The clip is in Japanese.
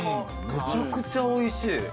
めちゃくちゃおいしい。